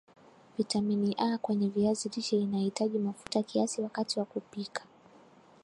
vitamini A kwenye viazi lishe inahitaji mafuta kiasi wakati wa kupika